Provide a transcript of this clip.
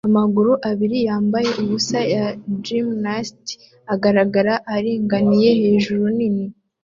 Amaguru abiri yambaye ubusa ya gymnast agaragara aringaniye hejuru nini